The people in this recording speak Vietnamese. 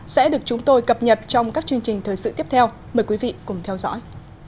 sẽ được chúng tôi cập nhật trong các chương trình thời sự tiếp theo mời quý vị cùng theo dõi